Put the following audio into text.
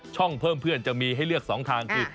เพิ่มเพื่อนจะมีให้เลือก๒ทางคือ